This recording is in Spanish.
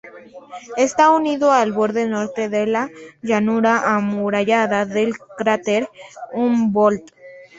Está unido al borde norte de la llanura amurallada del cráter Humboldt.